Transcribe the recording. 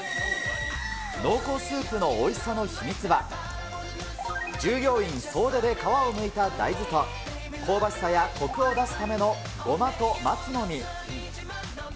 濃厚スープのおいしさの秘密は、従業員総出で皮をむいた大豆と、香ばしさやこくを出すためのごまと松の実。